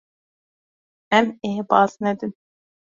Em ê baz nedin.